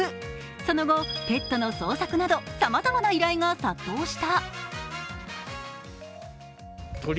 その後、ペットの捜索などさまざまな依頼が殺到した。